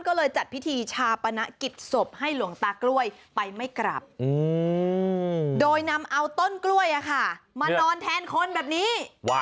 กล้วยไปไม่กลับโดยนำเอาต้นกล้วยมานอนแทนคนแบบนี้